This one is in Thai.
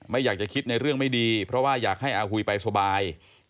ไม่อยากจะคิดในเรื่องไม่ดีเพราะว่าอยากให้อาหุยไปสบาย